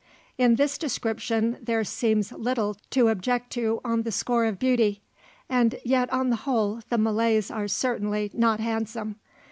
In this description there seems little to object to on the score of beauty, and yet on the whole the Malays are certainly not handsome.